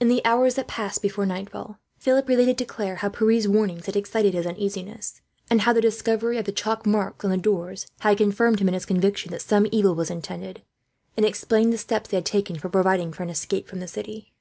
In the hours that passed before nightfall, Philip related to Claire how Pierre's warnings had excited his uneasiness; and how the discovery of the chalk marks, on the doors, had confirmed him in his conviction that some evil was intended; and explained the steps they had taken for providing for an escape from the city.